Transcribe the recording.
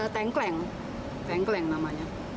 tengkeleng tengkeleng namanya